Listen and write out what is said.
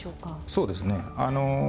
そうですね。